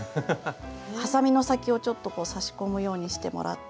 はさみの先をちょっと差し込むようにしてもらって。